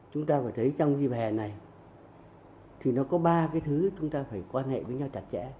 chúng ta phải thấy trong dịp hè này thì nó có ba cái thứ chúng ta phải quan hệ với nhau chặt chẽ